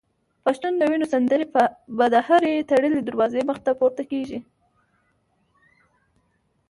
پښتون د وینو سندري به د هري تړلي دروازې مخته پورته کیږي